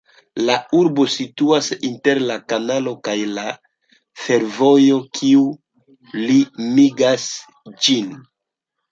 La urbo situas inter la kanalo kaj la fervojo, kiuj limigas ĝin.